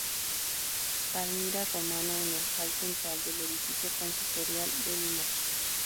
Palmira Romano en el hall central del edificio consistorial de Limache.